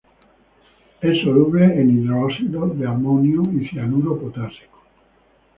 Es soluble en hidróxido de amonio y cianuro potásico.